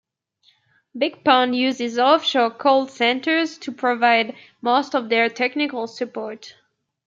BigPond uses offshore call centres to provide most of their technical support.